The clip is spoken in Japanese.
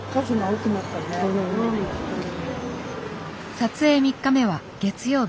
撮影３日目は月曜日。